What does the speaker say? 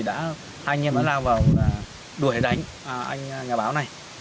anh em đã lao vào đuổi đánh anh nhà báo này